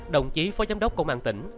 đồng chí phó giám đốc công an tỉnh